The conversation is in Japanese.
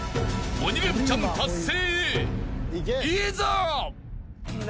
［鬼レンチャン達成へいざ！］